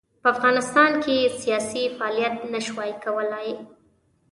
په افغانستان کې یې سیاسي فعالیت نه شوای کولای.